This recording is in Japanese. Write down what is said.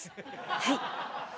はい。